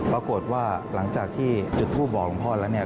ปรากฏว่าหลังจากที่จุดทูปบ่อของพ่อแล้ว